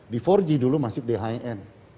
di empat g dulu masih di high end